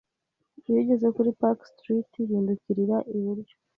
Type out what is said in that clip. Iyo ugeze kuri Park Street, hindukirira iburyo.